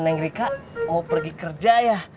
neng rika mau pergi kerja ya